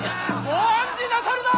ご案じなさるな！